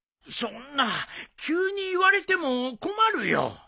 そんな急に言われても困るよ。